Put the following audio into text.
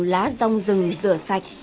lá rong rừng rửa sạch